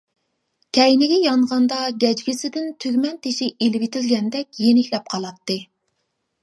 كەينىگە يانغاندا گەجگىسىدىن تۈگمەن تېشى ئېلىۋېتىلگەندەك يېنىكلەپ قالاتتى.